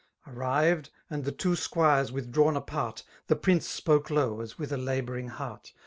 Arrived, and the two sqnires withdrawn apart. The prince spoke low, as with a labouring heart.